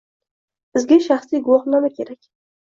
Bizga shaxsiy guvohnoma kerak.